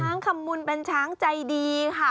คำมุนเป็นช้างใจดีค่ะ